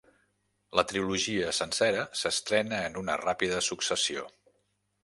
La trilogia sencera s'estrena en una ràpida successió.